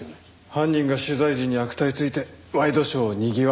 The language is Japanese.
犯人が取材陣に悪態ついてワイドショーをにぎわせてたな。